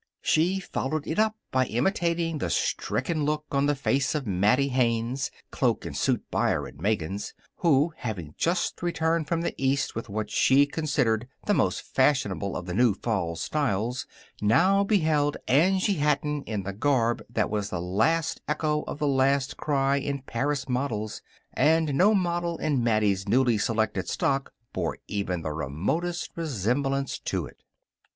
She followed it up by imitating the stricken look on the face of Mattie Haynes, cloak and suit buyer at Megan's, who, having just returned from the East with what she considered the most fashionable of the new fall styles, now beheld Angie Hatton in the garb that was the last echo of the last cry in Paris modes and no model in Mattie's newly selected stock bore even the remotest resemblance to it.